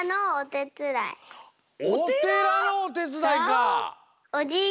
おてらのおてつだいか！